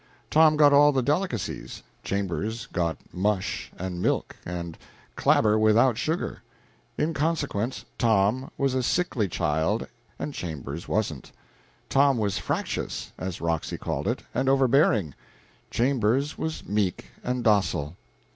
Tom got all the delicacies, Chambers got mush and milk, and clabber without sugar. In consequence Tom was a sickly child and Chambers wasn't. Tom was "fractious," as Roxy called it, and overbearing; Chambers was meek and docile.